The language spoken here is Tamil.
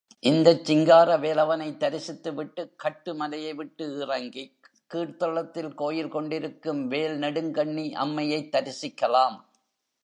இந்தச் சிங்காரவேலவனைத் தரிசித்துவிட்டுக்கட்டு மலையைவிட்டு இறங்கிக் கீழ்தளத்தில் கோயில் கொண்டிருக்கும் வேல் நெடுங்கண்ணி அம்மையைத் தரிசிக்கலாம்.